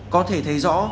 có thể thấy rõ